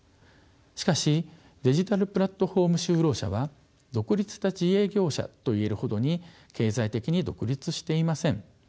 しかしデジタルプラットフォーム就労者は独立した自営業者といえるほどに経済的に独立していません。